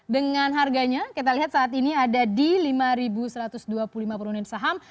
dengan harganya kita lihat saat ini ada di lima satu ratus dua puluh lima peronin saham